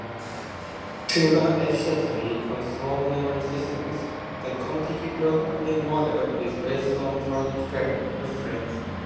To run efficiently on small-memory systems, the Contiki programming model is based on protothreads.